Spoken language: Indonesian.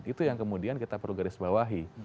itu yang kemudian kita perlu garis bawahi